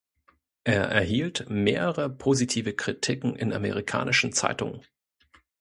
Er erhielt mehrere positive Kritiken in amerikanischen Zeitungen.